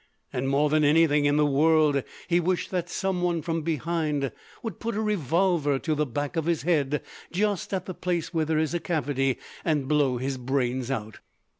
And more than anything in the world he wished that some one from behind would put a revolver to the back of his head, just at the place where there is a cavity, and blow his brains out.